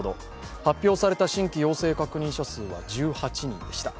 発表された新規陽性確認者数は１８人でした。